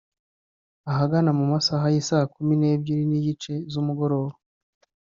Ahagana mu masaha y’Isaa Kumi n’ebyiri n’igice z’umugoroba